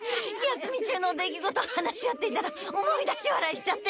休み中の出来事話し合っていたら思い出しわらいしちゃって。